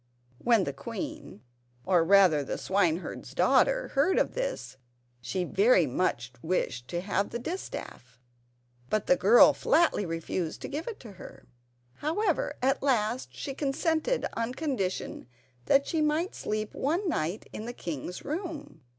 When the queen—or, rather, the swineherd's daughter—heard of this, she very much wished to have the distaff, but the girl flatly refused to give it to her. However, at last she consented on condition that she might sleep one night in the king's room.